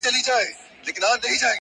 چي ته ډنګر یې که خېټور یې!